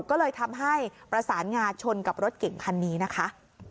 ก็เลยทำให้ประสานงาชนกับรถเก่งคันนี้นะคะ